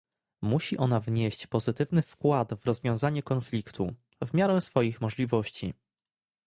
Musi ona wnieść pozytywny wkład w rozwiązanie konfliktu, w miarę swoich możliwości